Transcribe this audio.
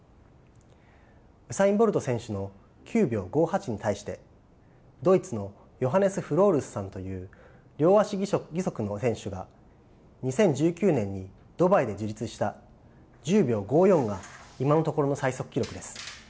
ウサイン・ボルト選手の９秒５８に対してドイツのヨハネス・フロールスさんという両足義足の選手が２０１９年にドバイで樹立した１０秒５４が今のところの最速記録です。